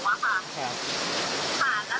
ใช่ค่ะถ่ายรูปส่งให้พี่ดูไหม